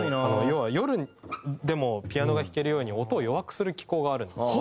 要は夜でもピアノが弾けるように音を弱くする機構があるんです。